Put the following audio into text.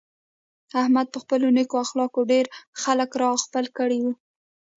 احمد په خپلو نېکو اخلاقو ډېر خلک را خپل کړي دي.